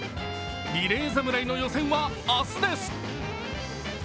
リレー侍の予選は明日です。